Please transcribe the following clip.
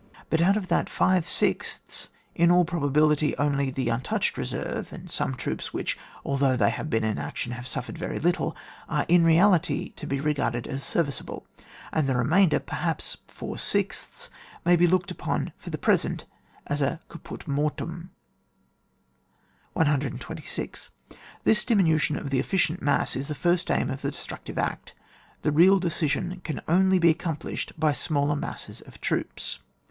But out of that five sixths, in all probability only the untouched reserve, and some troops, which, although iJiey have been in action, have sufiEered very little, are, in reality, to be regarded as serviceable, and the remainder (perhaps four sixths) may be looked upon for the present as a caput tnortuum. 126. This diminution of the efficient mass is the first aim of the destructive act; the real decision can only be ac complished by smaller masses of troops.